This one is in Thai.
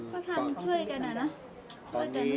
ก็ทำช่วยกันอะเนาะช่วยกัน